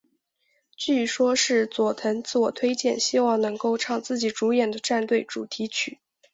据说是佐藤自我推荐希望能够唱自己主演的战队主题曲。